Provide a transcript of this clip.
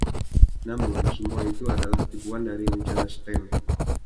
Namun, semua itu adalah tipuan dari rencana Stan.